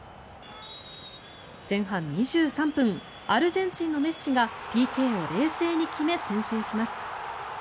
前半２３分アルゼンチンのメッシがＰＫを冷静に決め先制します。